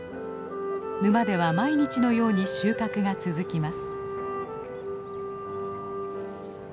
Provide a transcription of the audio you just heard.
沼では毎日のように収穫が続きます。